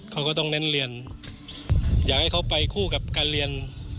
เขาก็ต้องเน้นเรียนอยากให้เขาไปคู่กับการเรียน